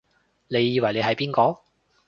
你以為你係邊個？